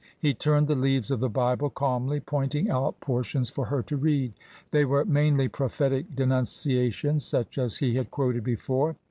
He turned the leaves of the Bible calmly, pointing out portions for her to read. They were mainly prophetic denunciations such as he had quoted before.